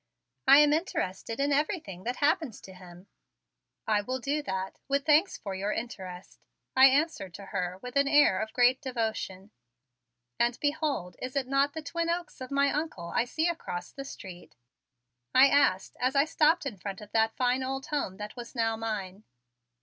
"I am interested in everything that happens to him." "I will do that, with thanks for your interest," I answered to her with an air of great devotion. "And behold, is it not the Twin Oaks of my Uncle I see across the street?" I asked as I stopped in front of that fine old home that was now mine.